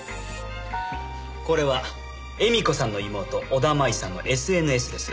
これは絵美子さんの妹小田麻衣さんのＳＮＳです。